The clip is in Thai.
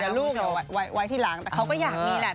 เดี๋ยวลูกไว้ที่หลังแต่เขาก็อยากมีแหละ